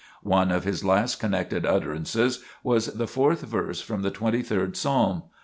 One of his last connected utterances was the fourth verse from the twenty third Psalm.